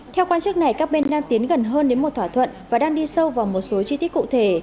theo quan chức này các bên đang tiến gần hơn đến một thỏa thuận và đang đi sâu vào một số chi tiết cụ thể